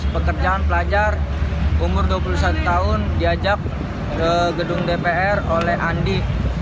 pekerjaan pelajar umur dua puluh satu tahun diajak ke gedung dpr oleh andi